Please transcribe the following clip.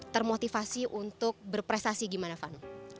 ter motivasi untuk berprestasi gimana fano